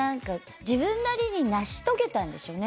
自分なりに成し遂げたんでしょうね